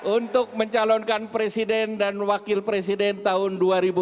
untuk mencalonkan presiden dan wakil presiden tahun dua ribu dua puluh